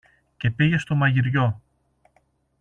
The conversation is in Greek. και πήγε στο μαγειριό